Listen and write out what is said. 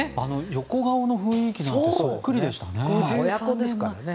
横顔の雰囲気なんてそっくりでしたね。